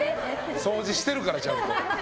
掃除してるから、ちゃんと。